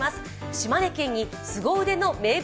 島根県にすご腕の名物